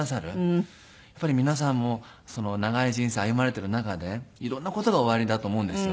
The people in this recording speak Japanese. やっぱり皆さんも長い人生歩まれている中で色んな事がおありだと思うんですよ。